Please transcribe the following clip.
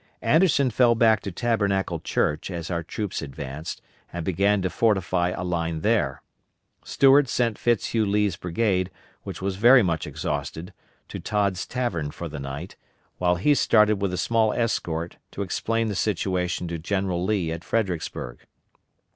Anderson fell back to Tabernacle Church as our troops advanced, and began to fortify a line there. Stuart sent Fitz Hugh Lee's brigade, which was very much exhausted, to Todd's Tavern for the night, while he started with a small escort, to explain the situation to General Lee at Fredericksburg.